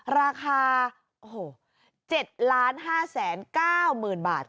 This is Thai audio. อ้อราคา๗๕๙๐๐๐๐บาทค่ะ